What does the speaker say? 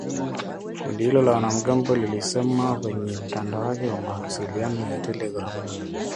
Kundi hilo la wanamgambo lilisema kwenye mtandao wake wa mawasiliano ya telegram.